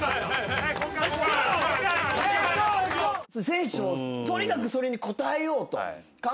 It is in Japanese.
選手もとにかくそれに応えようと。